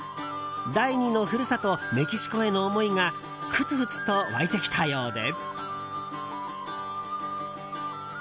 第２の故郷メキシコへの思いがふつふつと湧いてきたようで。